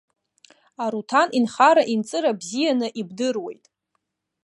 Аруҭан инхара-инҵыра бзианы ибдыруеит.